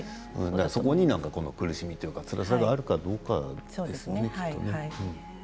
それは苦しみというか、つらさがあるかどうかなんでしょうね。